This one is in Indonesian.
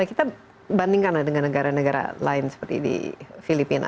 kita bandingkan lah dengan negara negara lain seperti di filipina